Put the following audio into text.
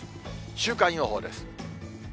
週間予報です。